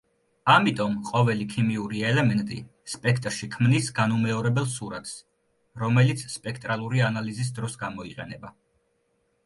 ამიტომ ყოველი ქიმიური ელემენტი სპექტრში ქმნის განუმეორებელ სურათს, რომელიც სპექტრალური ანალიზის დროს გამოიყენება.